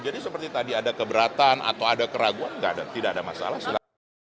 jadi seperti tadi ada keberatan atau ada keraguan tidak ada masalah